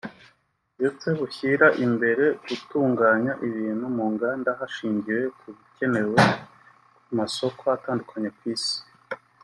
ndetse bushyira imbere gutunganya ibintu mu nganda hashingiwe ku bikenewe ku masoko atandukanye ku Isi